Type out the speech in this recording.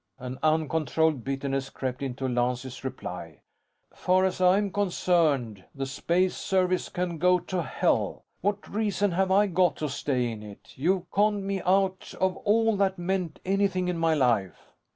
An uncontrolled bitterness crept into Lance's reply. "Far as I'm concerned, the Space Service can go to hell. What reason have I got to stay in it? You've conned me out of all that meant anything in my life."